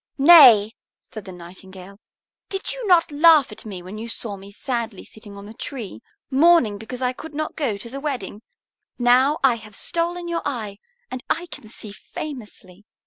"Nay," said the Nightingale, "did you not laugh at me when you saw me sadly sitting on the tree, mourning because I could not go to the wedding? Now I have stolen your eye, and I can see famously.